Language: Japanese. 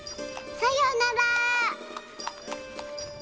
さよなら？